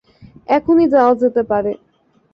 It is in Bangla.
এখনই যাওয়া যেতে পারে।